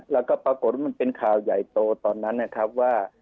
แล้วก็ปรากฏว่ามันเป็นข่าวใหญ่โตตอนนั้นนะครับว่า